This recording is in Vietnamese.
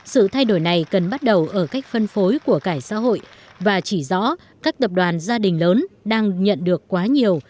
sự thay đổi này cần bắt đầu ở cách phân phối của cả xã hội và chỉ rõ các tập đoàn gia đình lớn đang nhận được quá nhiều